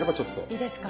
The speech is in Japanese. いいですか？